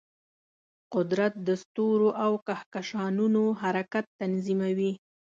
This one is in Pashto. قدرت د ستورو او کهکشانونو حرکت تنظیموي.